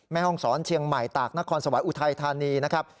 แม่ห้องศรเชียงใหม่ตากนครสวรรค์อุทัยธานีนะครับ